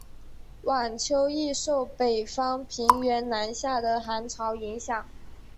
晚秋易受北方平原南下的寒潮影响。